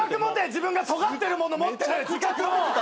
自分がとがってるもの持ってる自覚を！